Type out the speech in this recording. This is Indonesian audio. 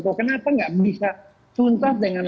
kok kenapa nggak bisa tuntas dengan